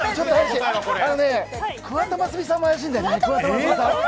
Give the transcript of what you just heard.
桑田真澄さんも怪しいんだよね。